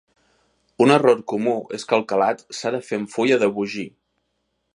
Un error comú es que el calat s'ha de fer amb fulla de vogir.